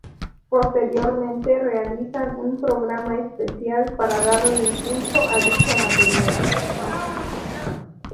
Posteriormente realizan un programa especial, para darle impulso a dicho material.